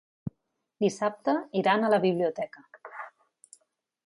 Dissabte iran a la biblioteca.